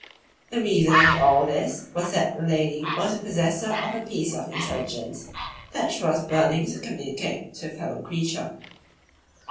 The reason of all this was that the lady was the possessor of a piece of intelligence that she was burning to communicate to a fellow creature.